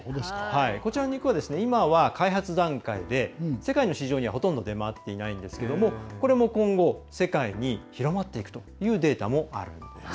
こちらの肉は今は開発段階で世界の市場にはほとんど出回ってないんですがこれも今後世界に広まっていくというデータもあるんです。